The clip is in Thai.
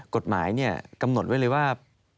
กฎหมายกำหนดไว้เลยว่า